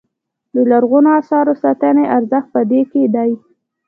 د لرغونو اثارو ساتنې ارزښت په دې کې دی.